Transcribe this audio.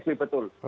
jadi di psb betul